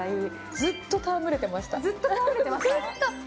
ずっと戯れてました？